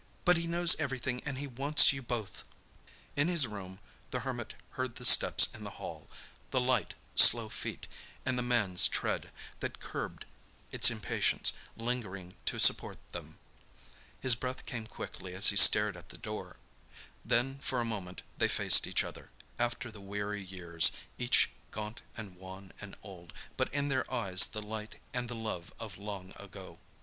But he knows everything and he wants you both!" In his room the Hermit heard the steps in the hall—the light, slow feet, and the man's tread, that curbed its impatience, lingering to support them. His breath came quickly as he stared at the door. Then for a moment they faced each other, after the weary years; each gaunt and wan and old, but in their eyes the light and the love of long ago.